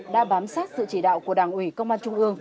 đã bám sát sự chỉ đạo của đảng ủy công an trung ương